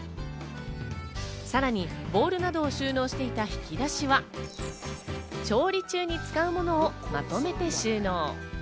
さらにボウルなどを収納していた引き出しは、調理中に使うものをまとめて収納。